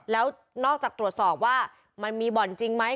แล้วนอกจากตรวจสอบว่ามันมีบ่อนจริงไหม